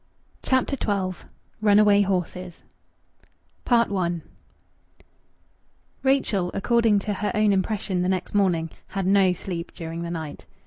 CHAPTER XII RUNAWAY HORSES I Rachel, according to her own impression the next morning, had no sleep during that night.